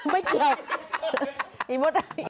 ไม่เกี่ยว